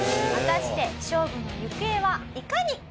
果たして勝負の行方はいかに？